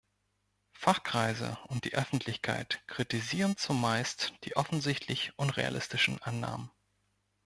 Fachkreise und die Öffentlichkeit kritisieren zumeist die offensichtlich unrealistischen Annahmen.